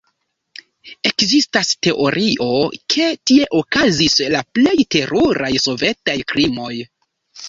Ekzistas teorio, ke tie okazis la plej teruraj sovetaj krimoj.